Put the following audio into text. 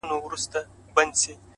• زه يم دا مه وايه چي تا وړي څوك،